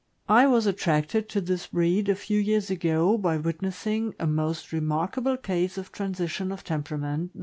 I was attracted to this breed, a few years ago by witnessing a most remarkable case of transition of temperament, i.